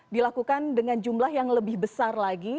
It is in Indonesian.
dilakukan dengan jumlah yang lebih besar lagi